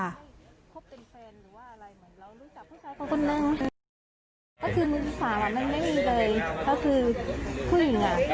ถ้าคือมรึเปลี่ยนสาวแบบไงไม่มีเลยเพราะคือผู้หญิงอ่ะ